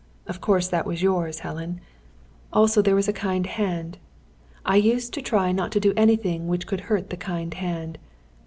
Of course that was yours, Helen. Also there was a kind hand. I used to try not to do anything which could hurt the kind hand.